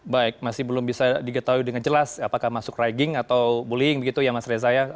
baik masih belum bisa diketahui dengan jelas apakah masuk ragging atau bullying begitu ya mas reza